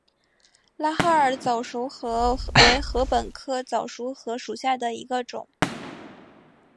拉哈尔早熟禾为禾本科早熟禾属下的一个种。